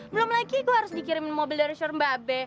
belum lagi gue harus dikirimin mobil dari sjurmbabe